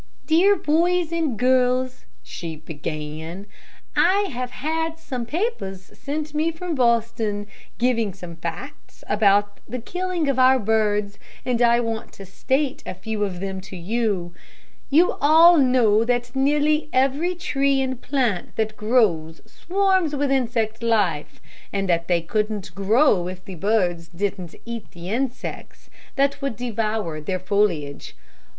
"Dear boys and girls," she began, "I have had some papers sent me from Boston, giving some facts about the killing of our birds, and I want to state a few of them to you: You all know that nearly every tree and plant that grows swarms with insect life, and that they couldn't grow if the birds didn't eat the insects that would devour their foliage.